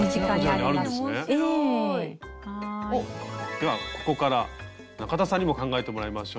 ではここから中田さんにも考えてもらいましょう。